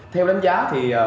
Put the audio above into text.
theo đánh giá thì